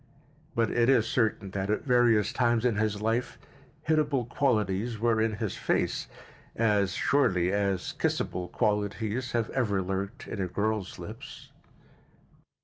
But it is certain that at various times in his life hitable qualities were in his face, as surely as kissable qualities have ever lurked in a girl's lips.